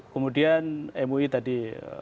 kemudian mui tadi